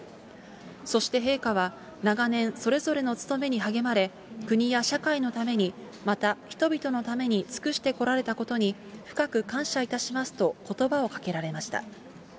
そして陛下は、長年、それぞれの務めに励まれ、国や社会のために、また人々のために尽くしてこられたことに、深く感謝いたしますと、ことばをかけられました。